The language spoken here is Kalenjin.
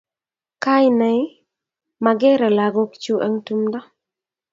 kainei makere lagokchu eng tumdo?